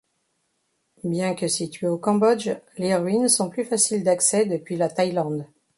Bien que situées au Cambodge, les ruines sont plus faciles d'accès depuis la Thaïlande.